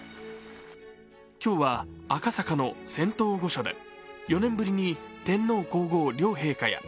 今日は赤坂の仙洞御所で４年ぶりに天皇皇后両陛下や